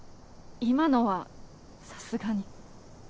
今のはさすがに。